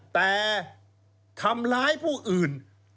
แต่ทำร้ายผู้อื่น